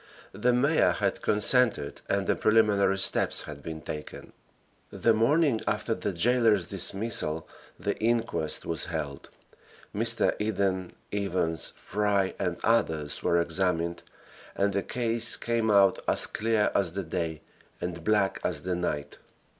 The mayor had consented and the preliminary steps had been taken. The morning after the jailer's dismissal the inquest was held. Mr. Eden, Evans, Fry and others were examined, and the case came out as clear as the day and black as the night.